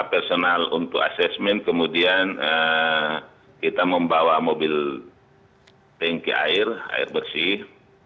personal untuk asesmen kemudian kita membawa mobil tanki air air bersih